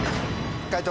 解答